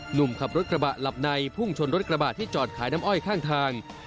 หนุ่มขับรถกระบะหลับในพุ่งชนรถกระบาดที่จอดขายน้ำอ้อยข้างทาง